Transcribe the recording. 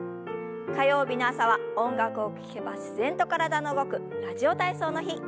火曜日の朝は音楽を聞けば自然と体の動く「ラジオ体操」の日。